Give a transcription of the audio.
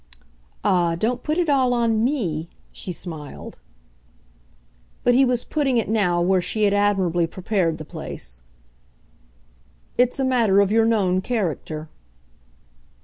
"Ah, don't put it all on 'me'!" she smiled. But he was putting it now where she had admirably prepared the place. "It's a matter of your known character."